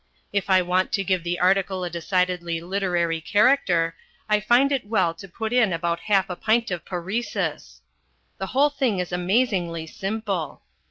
If I want to give the article a decidedly literary character, I find it well to put in about half a pint of paresis. The whole thing is amazingly simple.